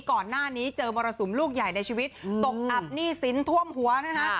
ก่อนหน้านี้เจอมรสุมลูกใหญ่ในชีวิตตกอับหนี้สินท่วมหัวนะคะ